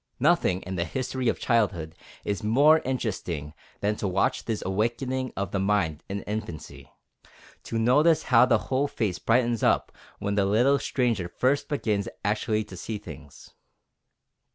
Nothing in the history of childhood is more interesting than to watch this awakening of the mind in infancy, to notice how the whole face brightens up when the little stranger first begins actually to see things.